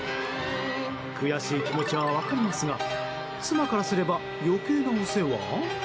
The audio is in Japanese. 悔しい気持ちは分かりますが妻からすれば、余計なお世話？